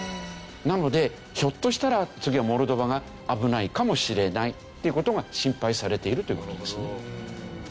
なのでひょっとしたら次はモルドバが危ないかもしれないっていう事が心配されているという事ですね。